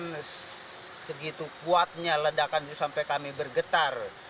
dan segitu kuatnya ledakan itu sampai kami bergetar